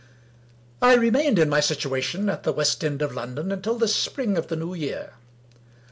I remained in my situation (at the West end of London) until the Spring of the New Year.